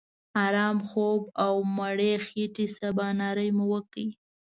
آرام خوب او مړې خېټې سباناري مو وکړه.